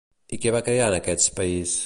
I què va crear en aquests país?